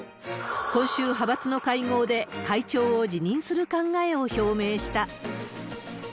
今週、派閥の会合で会長を辞任する考えを表明した。